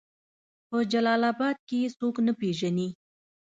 په جلال آباد کې يې څوک نه پېژني